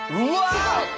すごい！